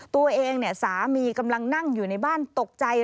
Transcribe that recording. ตัวเองสามีกำลังนั่งอยู่ในบ้านตกใจ